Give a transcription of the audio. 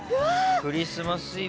「クリスマス・イブ」。